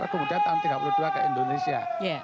kemudian tahun tiga puluh dua ke indonesia